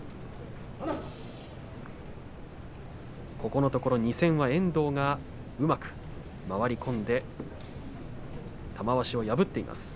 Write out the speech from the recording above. このところ２戦は遠藤がうまく回り込んで玉鷲を破っています。